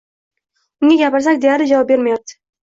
Unga gapirsak, deyarli javob bermayapti